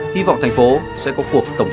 hy vọng thành phố sẽ có cuộc tổng hợp